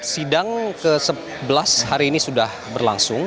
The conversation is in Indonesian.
sidang ke sebelas hari ini sudah berlangsung